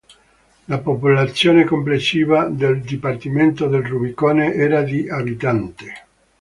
La popolazione complessiva del dipartimento del Rubicone era di abitanti.